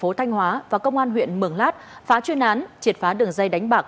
công an tp thanh hóa và công an huyện mường lát phá chuyên án triệt phá đường dây đánh bạc